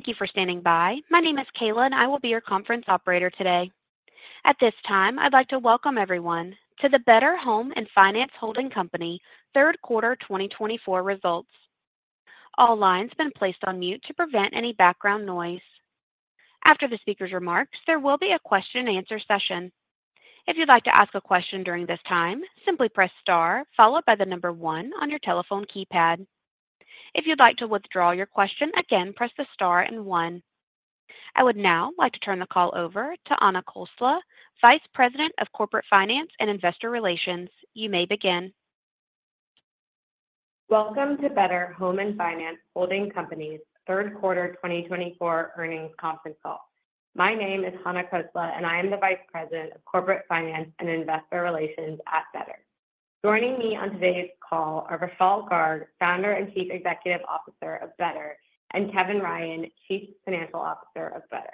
Thank you for standing by. My name is Kayla, and I will be your conference operator today. At this time, I'd like to welcome everyone to the Better Home & Finance Holding Company Third Quarter 2024 Results. All lines have been placed on mute to prevent any background noise. After the speaker's remarks, there will be a question-and-answer session. If you'd like to ask a question during this time, simply press star, followed by the number one on your telephone keypad. If you'd like to withdraw your question, again, press the star and one. I would now like to turn the call over to Hana Khosla, Vice President of Corporate Finance and Investor Relations. You may begin. Welcome to Better Home & Finance Holding Company's third quarter 2024 earnings conference call. My name is Hana Khosla, and I am the Vice President of Corporate Finance and Investor Relations at Better. Joining me on today's call are Vishal Garg, Founder and Chief Executive Officer of Better, and Kevin Ryan, Chief Financial Officer of Better.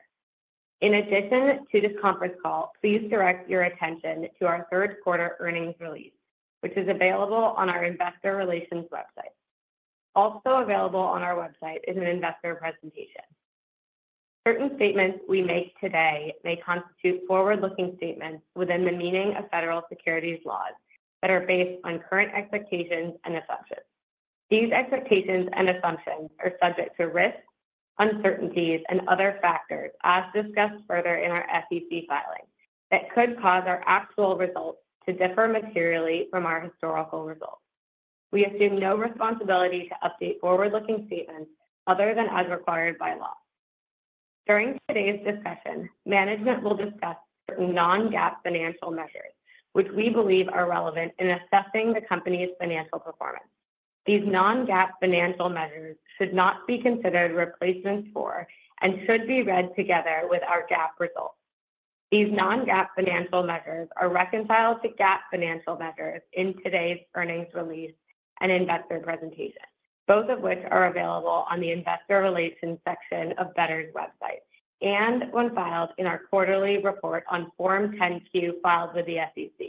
In addition to this conference call, please direct your attention to our third quarter earnings release, which is available on our Investor Relations website. Also available on our website is an investor presentation. Certain statements we make today may constitute forward-looking statements within the meaning of federal securities laws that are based on current expectations and assumptions. These expectations and assumptions are subject to risks, uncertainties, and other factors, as discussed further in our SEC filing, that could cause our actual results to differ materially from our historical results. We assume no responsibility to update forward-looking statements other than as required by law. During today's discussion, management will discuss certain non-GAAP financial measures, which we believe are relevant in assessing the company's financial performance. These non-GAAP financial measures should not be considered replacements for and should be read together with our GAAP results. These non-GAAP financial measures are reconciled to GAAP financial measures in today's earnings release and investor presentation, both of which are available on the Investor Relations section of Better's website and when filed in our quarterly report on Form 10-Q filed with the SEC.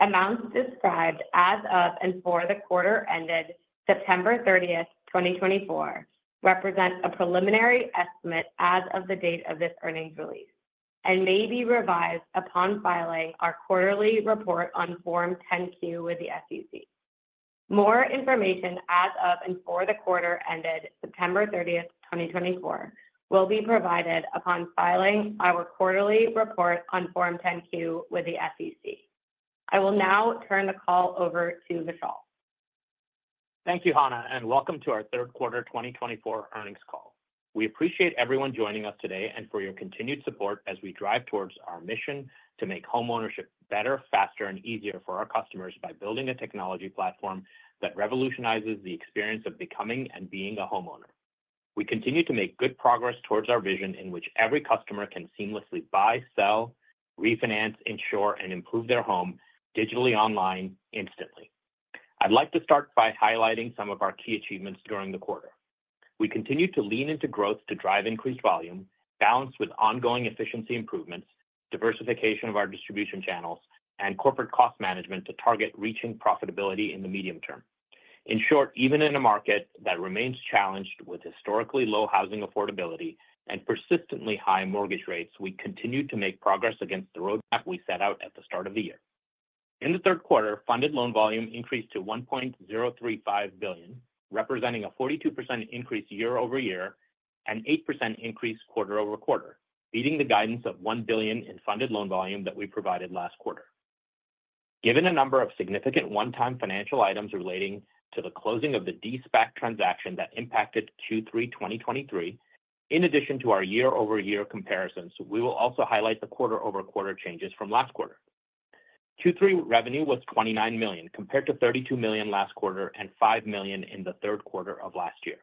Amounts described as of and for the quarter ended September 30, 2024, represent a preliminary estimate as of the date of this earnings release and may be revised upon filing our quarterly report on Form 10-Q with the SEC. More information as of and for the quarter ended September 30, 2024, will be provided upon filing our quarterly report on Form 10-Q with the SEC. I will now turn the call over to Vishal. Thank you, Hana, and welcome to our third quarter 2024 earnings call. We appreciate everyone joining us today and for your continued support as we drive towards our mission to make homeownership better, faster, and easier for our customers by building a technology platform that revolutionizes the experience of becoming and being a homeowner. We continue to make good progress towards our vision in which every customer can seamlessly buy, sell, refinance, insure, and improve their home digitally online instantly. I'd like to start by highlighting some of our key achievements during the quarter. We continue to lean into growth to drive increased volume, balanced with ongoing efficiency improvements, diversification of our distribution channels, and corporate cost management to target reaching profitability in the medium term. In short, even in a market that remains challenged with historically low housing affordability and persistently high mortgage rates, we continue to make progress against the roadmap we set out at the start of the year. In the third quarter, funded loan volume increased to $1.035 billion, representing a 42% increase year over year and an 8% increase quarter over quarter, beating the guidance of $1 billion in funded loan volume that we provided last quarter. Given a number of significant one-time financial items relating to the closing of the de-SPAC transaction that impacted Q3 2023, in addition to our year-over-year comparisons, we will also highlight the quarter-over-quarter changes from last quarter. Q3 revenue was $29 million, compared to $32 million last quarter and $5 million in the third quarter of last year.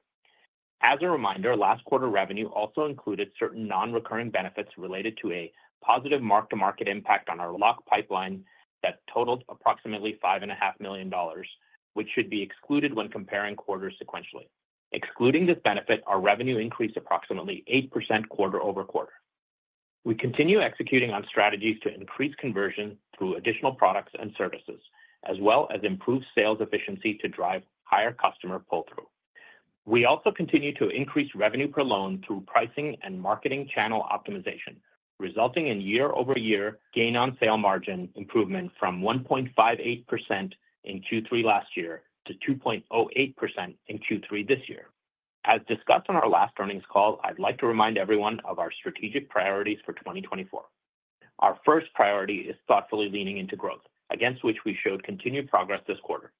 As a reminder, last quarter revenue also included certain non-recurring benefits related to a positive mark-to-market impact on our lock pipeline that totaled approximately $5.5 million, which should be excluded when comparing quarters sequentially. Excluding this benefit, our revenue increased approximately 8% quarter over quarter. We continue executing on strategies to increase conversion through additional products and services, as well as improve sales efficiency to drive higher customer pull-through. We also continue to increase revenue per loan through pricing and marketing channel optimization, resulting in year-over-year gain on sale margin improvement from 1.58% in Q3 last year to 2.08% in Q3 this year. As discussed on our last earnings call, I'd like to remind everyone of our strategic priorities for 2024. Our first priority is thoughtfully leaning into growth, against which we showed continued progress this quarter.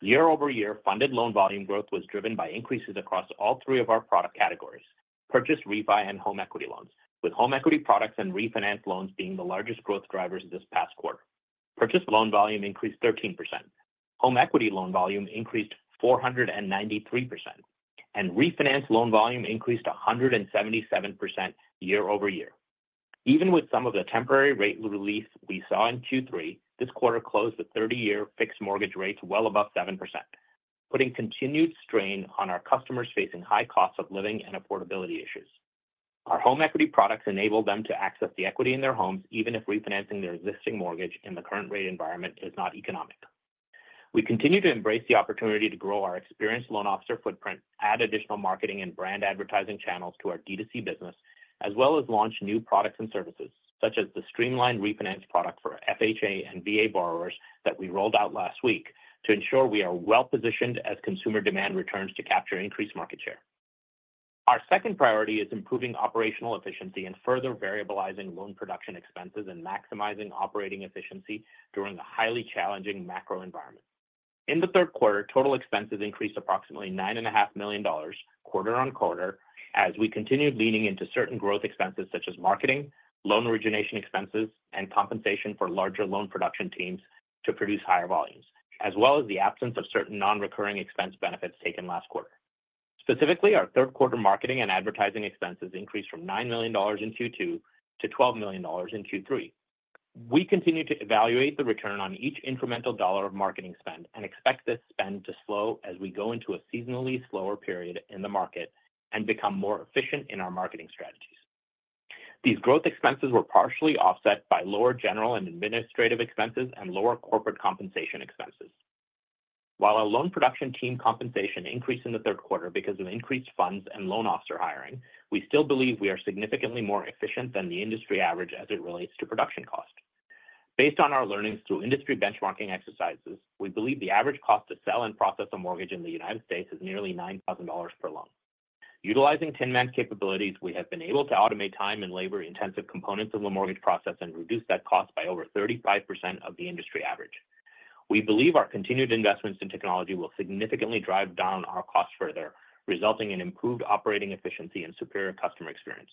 Year-over-year, funded loan volume growth was driven by increases across all three of our product categories: purchase, refi, and home equity loans, with home equity products and refinance loans being the largest growth drivers this past quarter. Purchase loan volume increased 13%, home equity loan volume increased 493%, and refinance loan volume increased 177% year over year. Even with some of the temporary rate relief we saw in Q3, this quarter closed with 30-year fixed mortgage rates well above 7%, putting continued strain on our customers facing high costs of living and affordability issues. Our home equity products enable them to access the equity in their homes, even if refinancing their existing mortgage in the current rate environment is not economic. We continue to embrace the opportunity to grow our experienced loan officer footprint, add additional marketing and brand advertising channels to our D2C business, as well as launch new products and services, such as the streamlined refinance product for FHA and VA borrowers that we rolled out last week to ensure we are well-positioned as consumer demand returns to capture increased market share. Our second priority is improving operational efficiency and further variabilizing loan production expenses and maximizing operating efficiency during a highly challenging macro environment. In the third quarter, total expenses increased approximately $9.5 million quarter on quarter as we continued leaning into certain growth expenses such as marketing, loan origination expenses, and compensation for larger loan production teams to produce higher volumes, as well as the absence of certain non-recurring expense benefits taken last quarter. Specifically, our third quarter marketing and advertising expenses increased from $9 million in Q2 to $12 million in Q3. We continue to evaluate the return on each incremental dollar of marketing spend and expect this spend to slow as we go into a seasonally slower period in the market and become more efficient in our marketing strategies. These growth expenses were partially offset by lower general and administrative expenses and lower corporate compensation expenses. While our loan production team compensation increased in the third quarter because of increased funds and loan officer hiring, we still believe we are significantly more efficient than the industry average as it relates to production cost. Based on our learnings through industry benchmarking exercises, we believe the average cost to sell and process a mortgage in the United States is nearly $9,000 per loan. Utilizing Tinman's capabilities, we have been able to automate time and labor-intensive components of the mortgage process and reduce that cost by over 35% of the industry average. We believe our continued investments in technology will significantly drive down our costs further, resulting in improved operating efficiency and superior customer experience.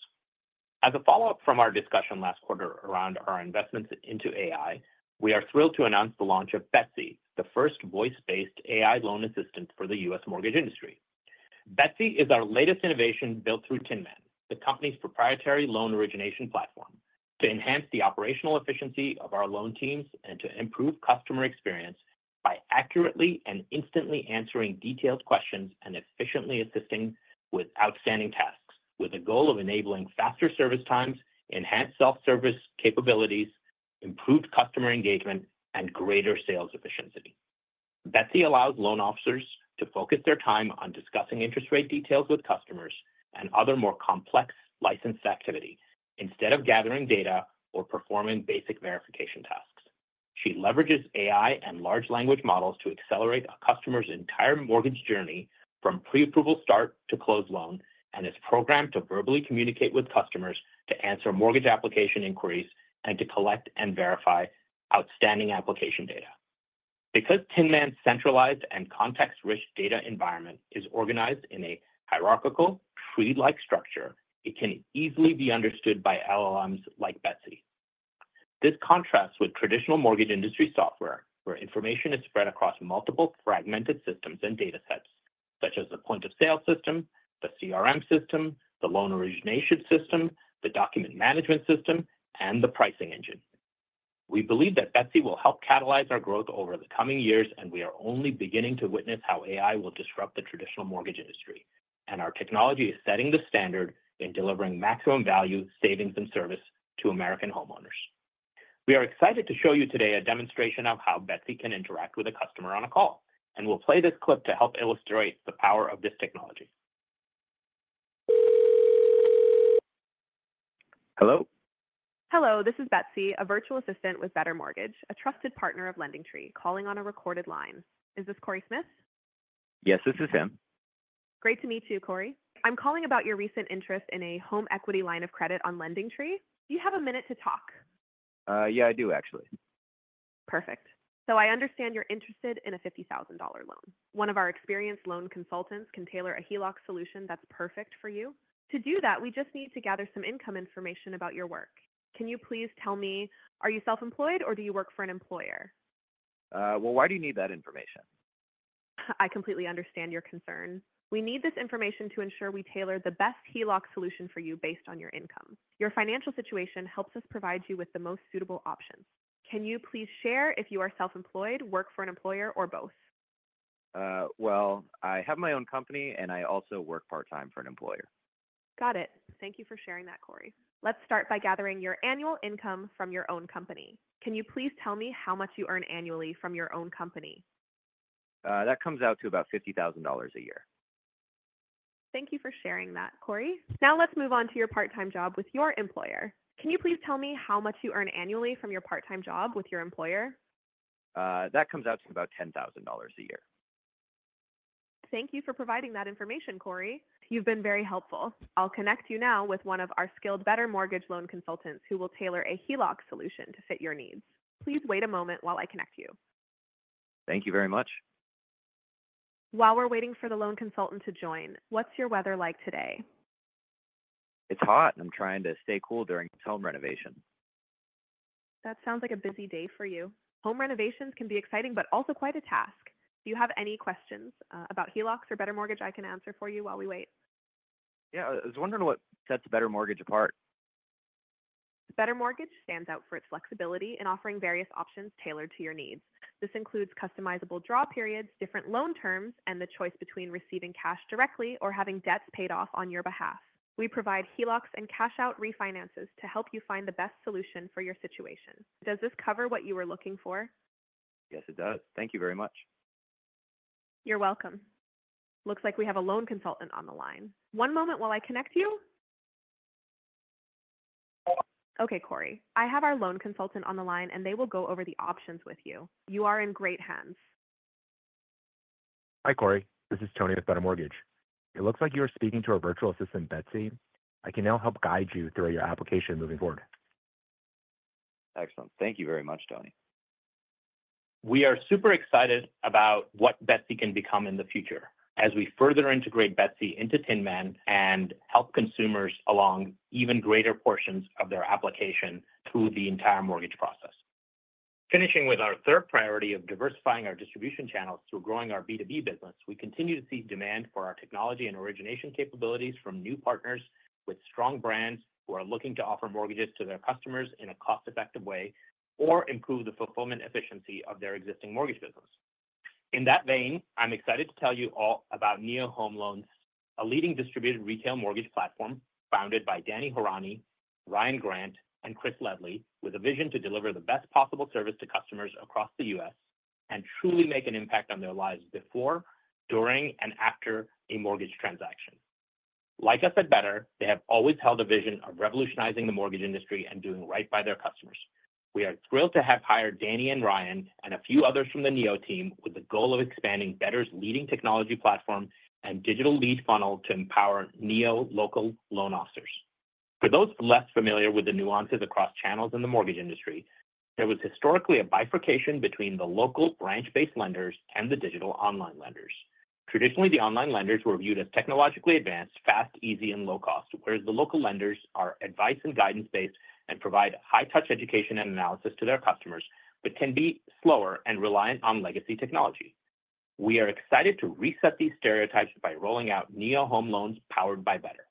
As a follow-up from our discussion last quarter around our investments into AI, we are thrilled to announce the launch of Betsy, the first voice-based AI loan assistant for the U.S. mortgage industry. Betsy is our latest innovation built through Tinman, the company's proprietary loan origination platform, to enhance the operational efficiency of our loan teams and to improve customer experience by accurately and instantly answering detailed questions and efficiently assisting with outstanding tasks, with a goal of enabling faster service times, enhanced self-service capabilities, improved customer engagement, and greater sales efficiency. Betsy allows loan officers to focus their time on discussing interest rate details with customers and other more complex licensed activity instead of gathering data or performing basic verification tasks. She leverages AI and large language models to accelerate a customer's entire mortgage journey from pre-approval start to close loan and is programmed to verbally communicate with customers to answer mortgage application inquiries and to collect and verify outstanding application data. Because Tinman's centralized and context-rich data environment is organized in a hierarchical tree-like structure, it can easily be understood by LLMs like Betsy. This contrasts with traditional mortgage industry software, where information is spread across multiple fragmented systems and data sets, such as the point-of-sale system, the CRM system, the loan origination system, the document management system, and the pricing engine. We believe that Betsy will help catalyze our growth over the coming years, and we are only beginning to witness how AI will disrupt the traditional mortgage industry, and our technology is setting the standard in delivering maximum value, savings, and service to American homeowners. We are excited to show you today a demonstration of how Betsy can interact with a customer on a call, and we'll play this clip to help illustrate the power of this technology. Hello? Hello. This is Betsy, a virtual assistant with Better Mortgage, a trusted partner of LendingTree, calling on a recorded line. Is this Corey Smith? Yes, this is him. Great to meet you, Corey. I'm calling about your recent interest in a home equity line of credit on LendingTree. Do you have a minute to talk? Yeah, I do, actually. Perfect. So I understand you're interested in a $50,000 loan. One of our experienced loan consultants can tailor a HELOC solution that's perfect for you. To do that, we just need to gather some income information about your work. Can you please tell me, are you self-employed, or do you work for an employer? Why do you need that information? I completely understand your concern. We need this information to ensure we tailor the best HELOC solution for you based on your income. Your financial situation helps us provide you with the most suitable options. Can you please share if you are self-employed, work for an employer, or both? I have my own company, and I also work part-time for an employer. Got it. Thank you for sharing that, Corey. Let's start by gathering your annual income from your own company. Can you please tell me how much you earn annually from your own company? That comes out to about $50,000 a year. Thank you for sharing that, Corey. Now let's move on to your part-time job with your employer. Can you please tell me how much you earn annually from your part-time job with your employer? That comes out to about $10,000 a year. Thank you for providing that information, Corey. You've been very helpful. I'll connect you now with one of our skilled Better Mortgage loan consultants who will tailor a HELOC solution to fit your needs. Please wait a moment while I connect you. Thank you very much. While we're waiting for the loan consultant to join, what's your weather like today? It's hot, and I'm trying to stay cool during this home renovation. That sounds like a busy day for you. Home renovations can be exciting, but also quite a task. Do you have any questions about HELOCs or Better Mortgage I can answer for you while we wait? Yeah, I was wondering what sets Better Mortgage apart. Better Mortgage stands out for its flexibility in offering various options tailored to your needs. This includes customizable draw periods, different loan terms, and the choice between receiving cash directly or having debts paid off on your behalf. We provide HELOCs and cash-out refinances to help you find the best solution for your situation. Does this cover what you were looking for? Yes, it does. Thank you very much. You're welcome. Looks like we have a loan consultant on the line. One moment while I connect you. Okay, Corey. I have our loan consultant on the line, and they will go over the options with you. You are in great hands. Hi, Corey. This is Tony with Better Mortgage. It looks like you are speaking to our virtual assistant, Betsy. I can now help guide you through your application moving forward. Excellent. Thank you very much, Tony. We are super excited about what Betsy can become in the future as we further integrate Betsy into Tinman and help consumers along even greater portions of their application through the entire mortgage process. Finishing with our third priority of diversifying our distribution channels through growing our B2B business, we continue to see demand for our technology and origination capabilities from new partners with strong brands who are looking to offer mortgages to their customers in a cost-effective way or improve the fulfillment efficiency of their existing mortgage business. In that vein, I'm excited to tell you all about NEO Home Loans, a leading distributed retail mortgage platform founded by Danny Horanyi, Ryan Grant, and Chris Ledlie, with a vision to deliver the best possible service to customers across the U.S. and truly make an impact on their lives before, during, and after a mortgage transaction. Like us at Better, they have always held a vision of revolutionizing the mortgage industry and doing right by their customers. We are thrilled to have hired Danny and Ryan and a few others from the NEO team with the goal of expanding Better's leading technology platform and digital lead funnel to empower NEO local loan officers. For those less familiar with the nuances across channels in the mortgage industry, there was historically a bifurcation between the local branch-based lenders and the digital online lenders. Traditionally, the online lenders were viewed as technologically advanced, fast, easy, and low-cost, whereas the local lenders are advice and guidance-based and provide high-touch education and analysis to their customers, but can be slower and reliant on legacy technology. We are excited to reset these stereotypes by rolling out NEO Home Loans powered by Better.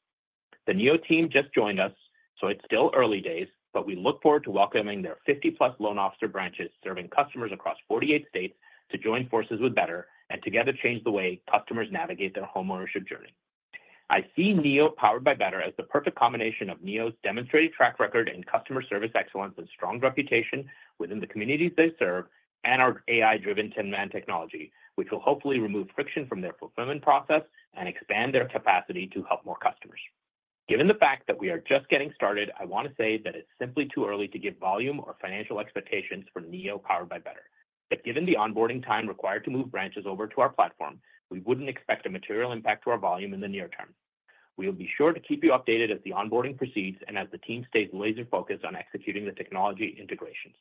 The NEO team just joined us, so it's still early days, but we look forward to welcoming their 50+ loan officer branches serving customers across 48 states to join forces with Better and together change the way customers navigate their homeownership journey. I see NEO powered by Better as the perfect combination of NEO's demonstrated track record in customer service excellence and strong reputation within the communities they serve and our AI-driven Tinman technology, which will hopefully remove friction from their fulfillment process and expand their capacity to help more customers. Given the fact that we are just getting started, I want to say that it's simply too early to give volume or financial expectations for NEO powered by Better. But given the onboarding time required to move branches over to our platform, we wouldn't expect a material impact to our volume in the near term. We will be sure to keep you updated as the onboarding proceeds and as the team stays laser-focused on executing the technology integrations.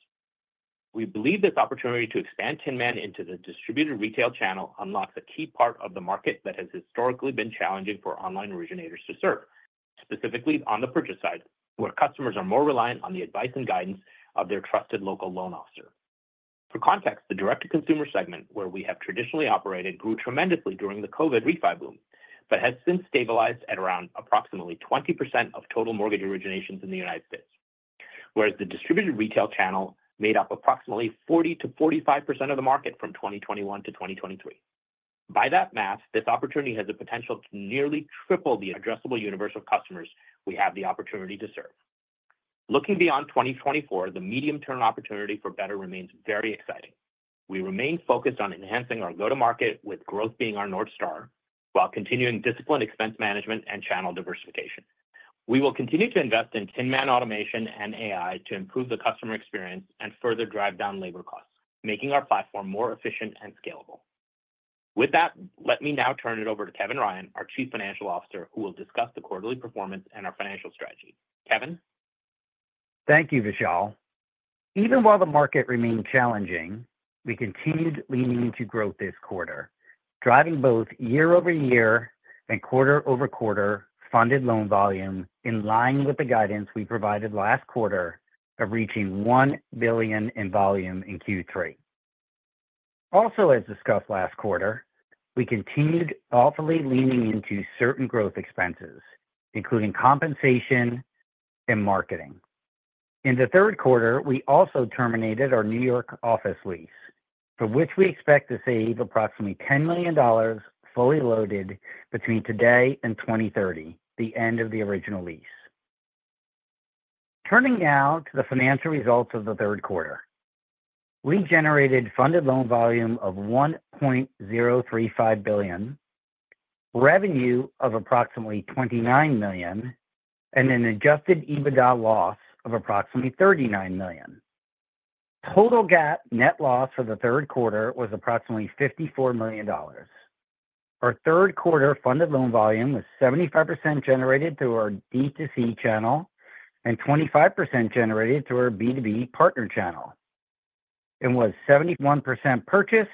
We believe this opportunity to expand Tinman into the distributed retail channel unlocks a key part of the market that has historically been challenging for online originators to serve, specifically on the purchase side, where customers are more reliant on the advice and guidance of their trusted local loan officer. For context, the direct-to-consumer segment, where we have traditionally operated, grew tremendously during the COVID refi boom but has since stabilized at around approximately 20% of total mortgage originations in the United States, whereas the distributed retail channel made up approximately 40%-45% of the market from 2021 to 2023. By that math, this opportunity has the potential to nearly triple the addressable universe of customers we have the opportunity to serve. Looking beyond 2024, the medium-term opportunity for Better remains very exciting. We remain focused on enhancing our go-to-market, with growth being our North Star, while continuing disciplined expense management and channel diversification. We will continue to invest in Tinman automation and AI to improve the customer experience and further drive down labor costs, making our platform more efficient and scalable. With that, let me now turn it over to Kevin Ryan, our Chief Financial Officer, who will discuss the quarterly performance and our financial strategy. Kevin. Thank you, Vishal. Even while the market remained challenging, we continued leaning into growth this quarter, driving both year-over-year and quarter-over-quarter funded loan volume in line with the guidance we provided last quarter of reaching $1 billion in volume in Q3. Also, as discussed last quarter, we continued thoughtfully leaning into certain growth expenses, including compensation and marketing. In the third quarter, we also terminated our New York office lease, for which we expect to save approximately $10 million fully loaded between today and 2030, the end of the original lease. Turning now to the financial results of the third quarter, we generated funded loan volume of $1.035 billion, revenue of approximately $29 million, and an Adjusted EBITDA loss of approximately $39 million. Total net loss for the third quarter was approximately $54 million. Our third quarter funded loan volume was 75% generated through our D2C channel and 25% generated through our B2B partner channel. It was 71% purchase,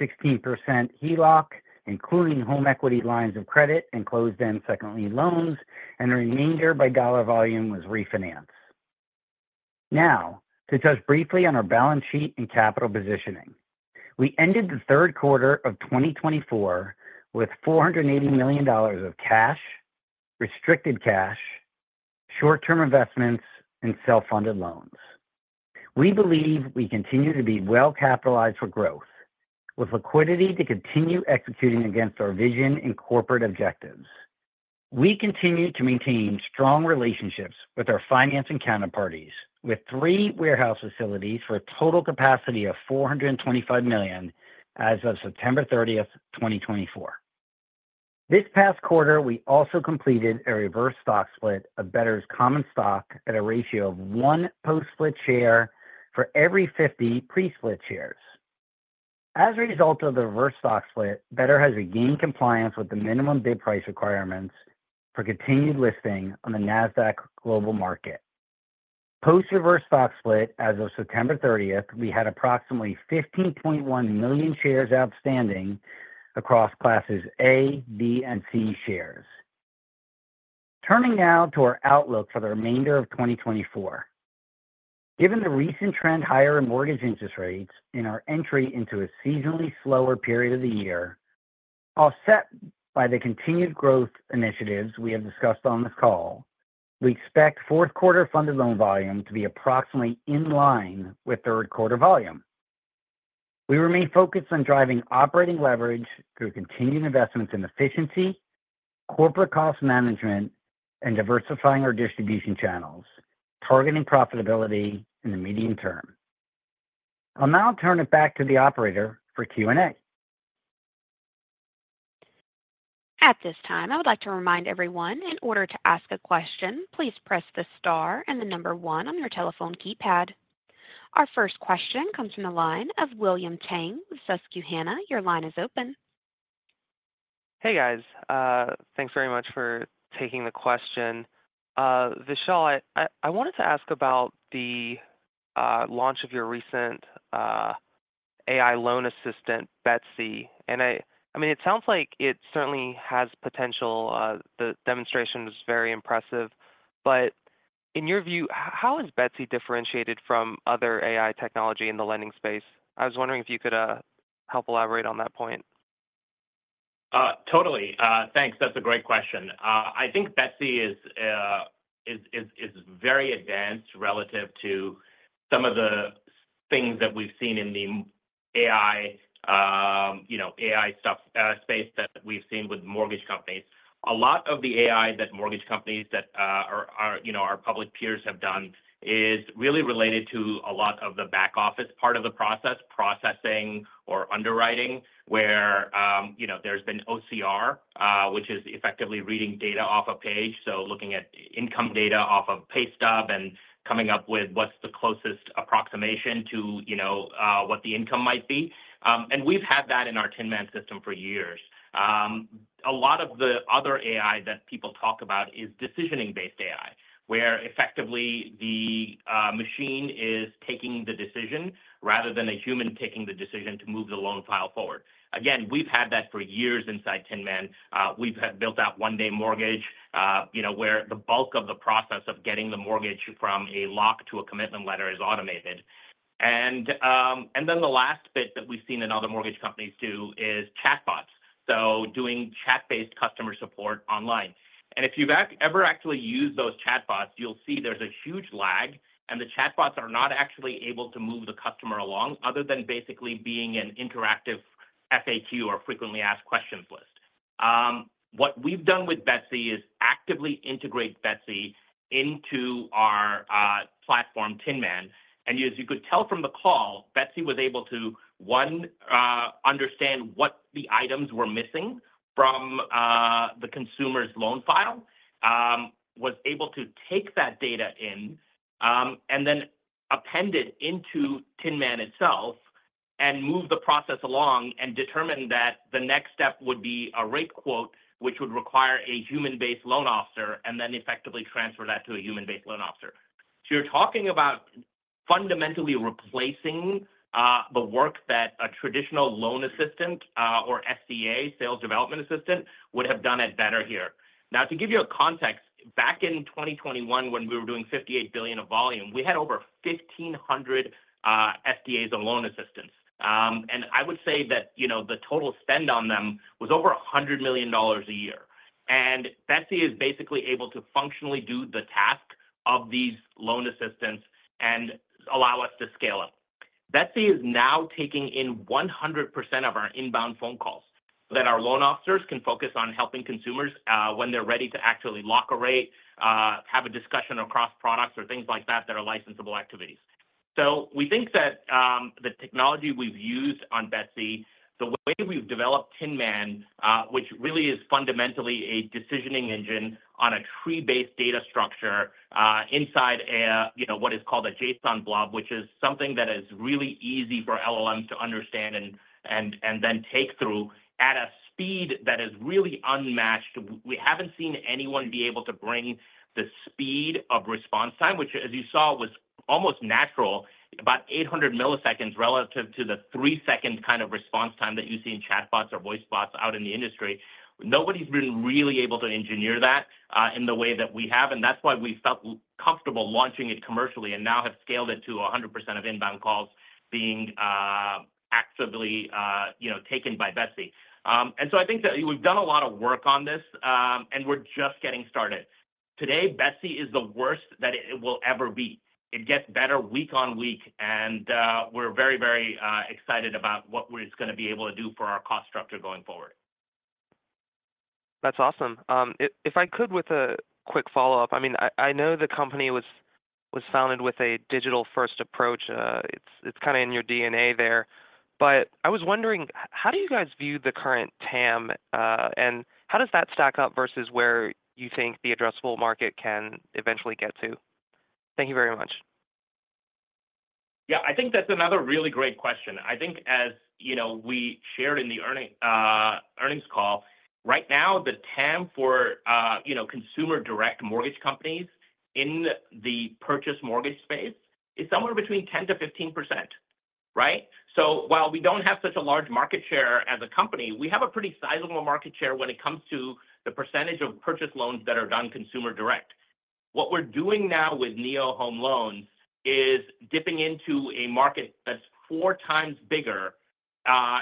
16% HELOC, including home equity lines of credit and closed-end second-lien loans, and the remainder by dollar volume was refinance. Now, to touch briefly on our balance sheet and capital positioning. We ended the third quarter of 2024 with $480 million of cash, restricted cash, short-term investments, and self-funded loans. We believe we continue to be well-capitalized for growth, with liquidity to continue executing against our vision and corporate objectives. We continue to maintain strong relationships with our financing counterparties, with three warehouse facilities for a total capacity of $425 million as of September 30, 2024. This past quarter, we also completed a reverse stock split of Better's common stock at a ratio of one post-split share for every 50 pre-split shares. As a result of the reverse stock split, Better has regained compliance with the minimum bid price requirements for continued listing on the Nasdaq Global Market. Post-reverse stock split as of September 30, we had approximately 15.1 million shares outstanding across classes A, B, and C shares. Turning now to our outlook for the remainder of 2024. Given the recent trend higher in mortgage interest rates and our entry into a seasonally slower period of the year, offset by the continued growth initiatives we have discussed on this call, we expect fourth quarter funded loan volume to be approximately in line with third quarter volume. We remain focused on driving operating leverage through continued investments in efficiency, corporate cost management, and diversifying our distribution channels, targeting profitability in the medium term. I'll now turn it back to the operator for Q&A. At this time, I would like to remind everyone, in order to ask a question, please press the star and the number one on your telephone keypad. Our first question comes from the line of William Tang with Susquehanna. Your line is open. Hey, guys. Thanks very much for taking the question. Vishal, I wanted to ask about the launch of your recent AI loan assistant, Betsy, and I mean, it sounds like it certainly has potential. The demonstration was very impressive, but in your view, how is Betsy differentiated from other AI technology in the lending space? I was wondering if you could help elaborate on that point. Totally. Thanks. That's a great question. I think Betsy is very advanced relative to some of the things that we've seen in the AI stuff space that we've seen with mortgage companies. A lot of the AI that mortgage companies that our public peers have done is really related to a lot of the back-office part of the process, processing or underwriting, where there's been OCR, which is effectively reading data off a page, so looking at income data off of pay stub and coming up with what's the closest approximation to what the income might be. And we've had that in our Tinman system for years. A lot of the other AI that people talk about is decisioning-based AI, where effectively the machine is taking the decision rather than a human taking the decision to move the loan file forward. Again, we've had that for years inside Tinman. We've built out One Day Mortgage, where the bulk of the process of getting the mortgage from a lock to a commitment letter is automated. And then the last bit that we've seen in other mortgage companies do is chatbots, so doing chat-based customer support online. And if you've ever actually used those chatbots, you'll see there's a huge lag, and the chatbots are not actually able to move the customer along other than basically being an interactive FAQ or frequently asked questions list. What we've done with Betsy is actively integrate Betsy into our platform, Tinman. As you could tell from the call, Betsy was able to, one, understand what the items were missing from the consumer's loan file, was able to take that data in, and then append it into Tinman itself and move the process along and determine that the next step would be a rate quote, which would require a human-based loan officer, and then effectively transfer that to a human-based loan officer. So you're talking about fundamentally replacing the work that a traditional loan assistant or SDA, sales development assistant, would have done at Better here. Now, to give you a context, back in 2021, when we were doing $58 billion of volume, we had over 1,500 SDAs and loan assistants. And I would say that the total spend on them was over $100 million a year. Betsy is basically able to functionally do the task of these loan assistants and allow us to scale up. Betsy is now taking in 100% of our inbound phone calls so that our loan officers can focus on helping consumers when they're ready to actually lock a rate, have a discussion across products, or things like that that are licensable activities. We think that the technology we've used on Betsy, the way we've developed Tinman, which really is fundamentally a decisioning engine on a tree-based data structure inside what is called a JSON blob, which is something that is really easy for LLMs to understand and then take through at a speed that is really unmatched. We haven't seen anyone be able to bring the speed of response time, which, as you saw, was almost natural, about 800 milliseconds relative to the three-second kind of response time that you see in chatbots or voice bots out in the industry. Nobody's been really able to engineer that in the way that we have. And that's why we felt comfortable launching it commercially and now have scaled it to 100% of inbound calls being actively taken by Betsy. And so I think that we've done a lot of work on this, and we're just getting started. Today, Betsy is the worst that it will ever be. It gets better week on week, and we're very, very excited about what it's going to be able to do for our cost structure going forward. That's awesome. If I could, with a quick follow-up, I mean, I know the company was founded with a digital-first approach. It's kind of in your DNA there. But I was wondering, how do you guys view the current TAM, and how does that stack up versus where you think the addressable market can eventually get to? Thank you very much. Yeah, I think that's another really great question. I think, as we shared in the earnings call, right now, the TAM for consumer direct mortgage companies in the purchase mortgage space is somewhere between 10%-15%, right? So while we don't have such a large market share as a company, we have a pretty sizable market share when it comes to the percentage of purchase loans that are done consumer direct. What we're doing now with NEO Home Loans is dipping into a market that's four times bigger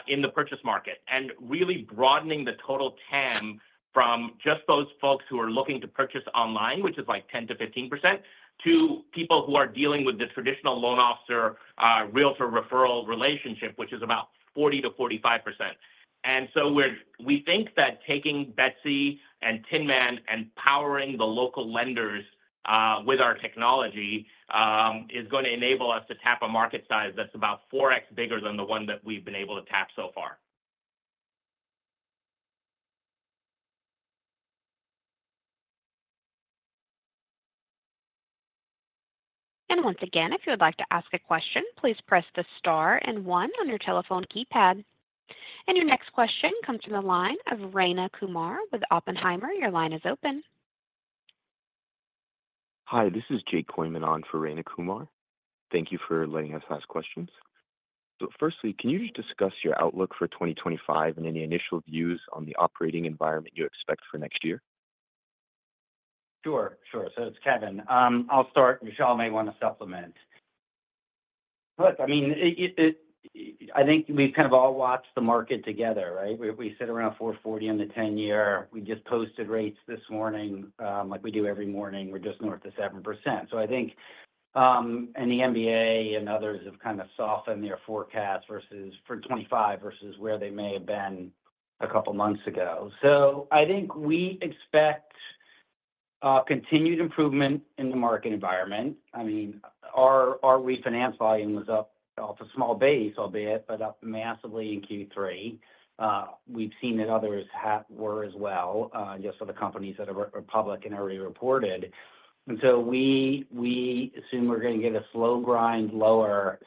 in the purchase market and really broadening the total TAM from just those folks who are looking to purchase online, which is like 10%-15%, to people who are dealing with the traditional loan officer/realtor referral relationship, which is about 40%-45%. And so we think that taking Betsy and Tinman and powering the local lenders with our technology is going to enable us to tap a market size that's about 4X bigger than the one that we've been able to tap so far. Once again, if you would like to ask a question, please press the star and one on your telephone keypad. Your next question comes from the line of Rayna Kumar with Oppenheimer. Your line is open. Hi, this is Jake Kooyman for Rayna Kumar. Thank you for letting us ask questions. So firstly, can you just discuss your outlook for 2025 and any initial views on the operating environment you expect for next year? Sure. Sure. So it's Kevin. I'll start. Vishal may want to supplement. Look, I mean, I think we've kind of all watched the market together, right? We sit around 4.40% on the 10-year. We just posted rates this morning like we do every morning. We're just north of 7%. So I think the MBA and others have kind of softened their forecast for 25% versus where they may have been a couple of months ago. So I think we expect continued improvement in the market environment. I mean, our refinance volume was up off a small base, albeit but up massively in Q3. We've seen that others were as well, just for the companies that are public and already reported. And so we assume we're going to get a slow grind lower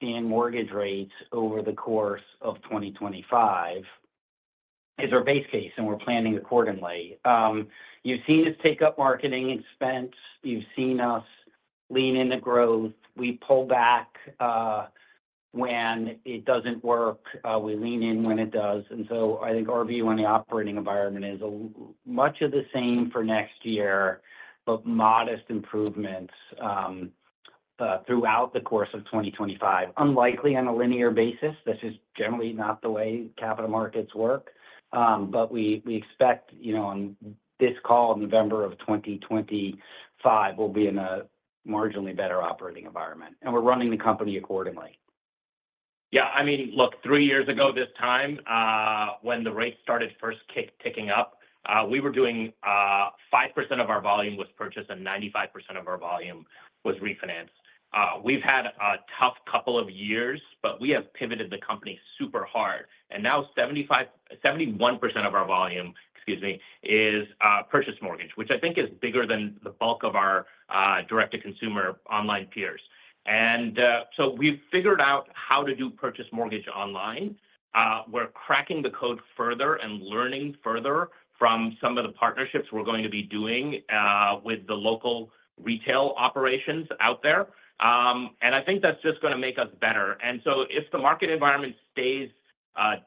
in mortgage rates over the course of 2025 as our base case, and we're planning accordingly. You've seen us take up marketing expense. You've seen us lean into growth. We pull back when it doesn't work. We lean in when it does, and so I think our view on the operating environment is much of the same for next year, but modest improvements throughout the course of 2025, unlikely on a linear basis. This is generally not the way capital markets work, but we expect on this call, November of 2025, we'll be in a marginally better operating environment, and we're running the company accordingly. Yeah. I mean, look, three years ago this time, when the rates started first ticking up, we were doing 5% of our volume was purchase and 95% of our volume was refinance. We've had a tough couple of years, but we have pivoted the company super hard. And now 71% of our volume, excuse me, is purchase mortgage, which I think is bigger than the bulk of our direct-to-consumer online peers. And so we've figured out how to do purchase mortgage online. We're cracking the code further and learning further from some of the partnerships we're going to be doing with the local retail operations out there. And I think that's just going to make us better. And so if the market environment stays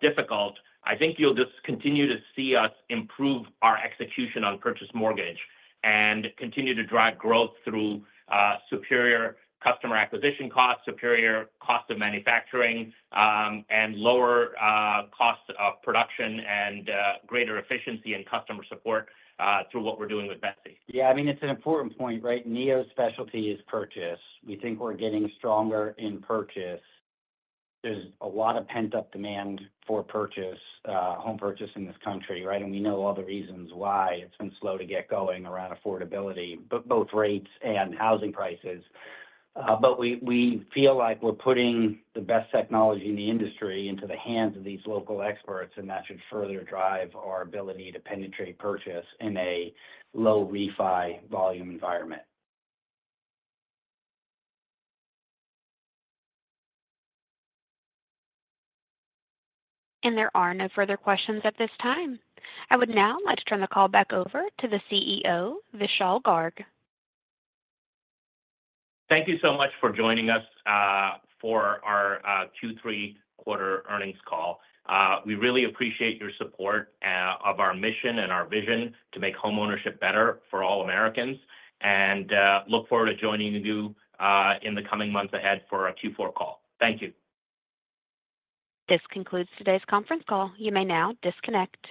difficult, I think you'll just continue to see us improve our execution on purchase mortgage and continue to drive growth through superior customer acquisition costs, superior cost of manufacturing, and lower cost of production and greater efficiency and customer support through what we're doing with Betsy. Yeah. I mean, it's an important point, right? NEO's specialty is purchase. We think we're getting stronger in purchase. There's a lot of pent-up demand for home purchase in this country, right? And we know all the reasons why it's been slow to get going around affordability, both rates and housing prices. But we feel like we're putting the best technology in the industry into the hands of these local experts, and that should further drive our ability to penetrate purchase in a low-refi volume environment. There are no further questions at this time. I would now like to turn the call back over to the CEO, Vishal Garg. Thank you so much for joining us for our Q3 quarter earnings call. We really appreciate your support of our mission and our vision to make homeownership better for all Americans, and look forward to joining you in the coming months ahead for a Q4 call. Thank you. This concludes today's conference call. You may now disconnect.